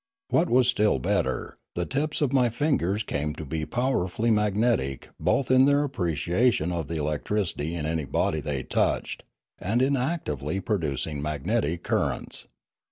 What was still better, the tips of my fingers came to be powerfully magnetic both in their apprecia tion of the electricity in any body they touched, and in actively producing magnetic currents.